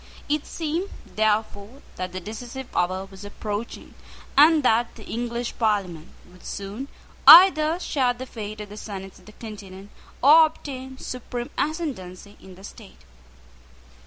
It seemed, therefore, that the decisive hour was approaching, and that the English Parliament would soon either share the fate of the senates of the Continent, or obtain supreme ascendency in the state.